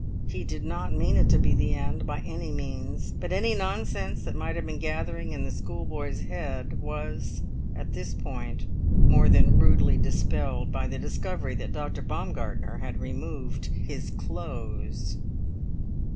He did not mean it to be the end, by any means; but any nonsense that might have been gathering in the schoolboy's head was, at this point, more than rudely dispelled by the discovery that Dr. Baumgartner had removed his clothes!